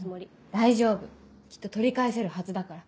大丈夫きっと取り返せるはずだから。